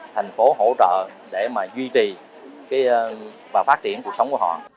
thành phố hỗ trợ để mà duy trì và phát triển cuộc sống của họ